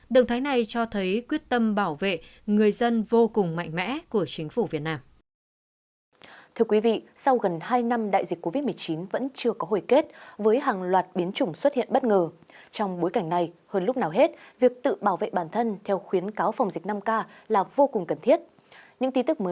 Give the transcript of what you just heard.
động thái này cho thấy quyết tâm bảo vệ người dân vô cùng mạnh mẽ của chính phủ việt nam